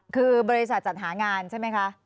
คือบริษัทจัดหางานใช่ไหมคะ